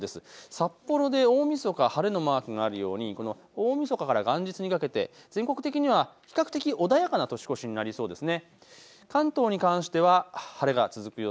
札幌で大みそか、晴れのマークがあるようにこの大みそかから元日にかけて全国的には比較的、穏やかな年越しになりそうですね。